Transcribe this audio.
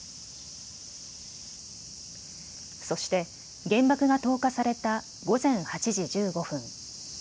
そして原爆が投下された午前８時１５分。